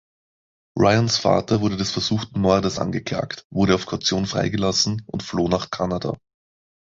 Ryans Vater wurde des versuchten Mordes angeklagt, wurde auf Kaution frei gelassen und floh nach Kanada.